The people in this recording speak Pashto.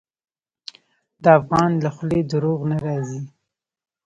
د افغان له خولې دروغ نه راځي.